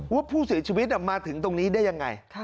ว่าผู้เสียชีวิตมาถึงตรงนี้ได้ยังไง